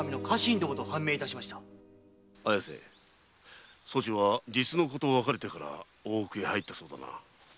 綾瀬そちは実の子と別れてから大奥へ入ったそうだな。